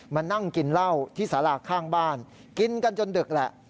มานั่งกินเหล้าที่สาราข้างบ้านกินกันจนดึกแหละ